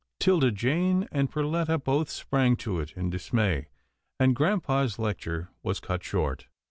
'Tilda Jane and Perletta both sprang to it in dis may, and grampa's lecture was cut short.